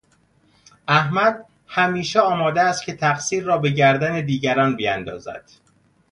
احمد همیشه آماده است که تقصیر را به گردن دیگران بیاندازد.